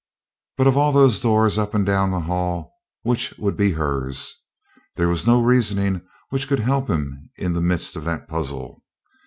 But of all those doors up and down the hall, which would be hers? There was no reasoning which could help him in the midst of that puzzle.